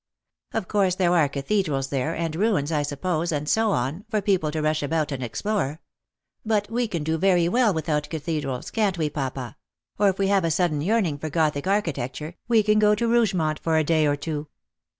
Of course there are cathedrals there, and ruins, I suppose, and so on, for people to rush about and explore ; but we can do very well without cathedrals, can't we, papa P or if we have a sudden yearning for gothic archi tecture, we can go to Rougement for a day or two.